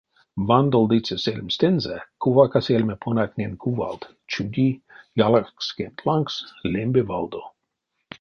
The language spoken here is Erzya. Вандолдыця сельмстэнзэ кувака сельме понатнень кувалт чуди ялакскенть лангс лембе валдо.